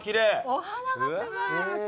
お花がすごい。